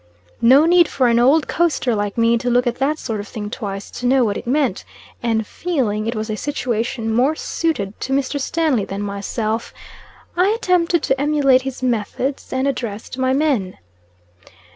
No need for an old coaster like me to look at that sort of thing twice to know what it meant, and feeling it was a situation more suited to Mr. Stanley than myself, I attempted to emulate his methods and addressed my men.